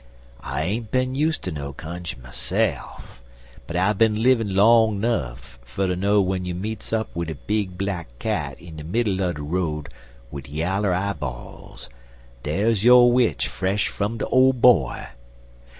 I ain't bin useter no cunjun myse'f, but I bin livin' long nuff fer ter know w'en you meets up wid a big black cat in de middle er de road, wid yaller eyeballs, dar's yo' witch fresh fum de Ole Boy.